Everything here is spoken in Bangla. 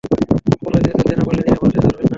অপরাধীদের ধরতে না পরলে নিরাপরাধীদের ধরবেন না।